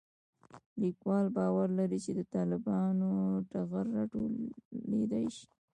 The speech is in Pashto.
لیکوال باور لري چې د طالبانو ټغر راټولېدای شي